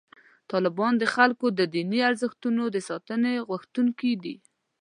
طالبان د خلکو د دیني ارزښتونو د ساتنې غوښتونکي دي.